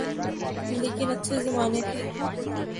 لیکن اچھے زمانے تھے۔